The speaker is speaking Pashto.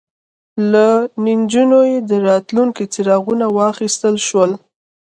له نجونو د راتلونکي څراغونه واخیستل شول